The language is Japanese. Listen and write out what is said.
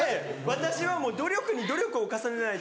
私はもう努力に努力を重ねないと。